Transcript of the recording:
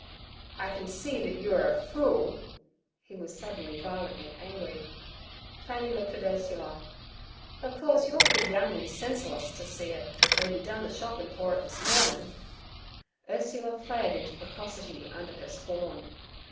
'I can see that you are a fool.' He was suddenly violently angry. Fanny looked at Ursula. 'Of course you're too young and senserless to see it, though you done the shoppin' for it this mornin'.' Ursula flared into precocity under her scorn.